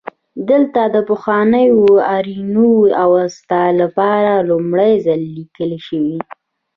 دلته د پخوانیو آرینو د اوستا ژبه لومړی ځل لیکل شوې